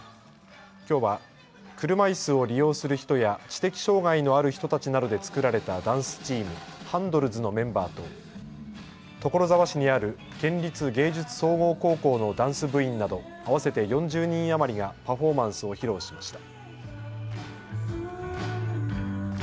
きょうは車いすを利用する人や知的障害のある人たちなどで作られたダンスチーム、ハンドルズのメンバーと所沢市にある県立芸術総合高校のダンス部員など合わせて４０人余りがパフォーマンスを披露しました。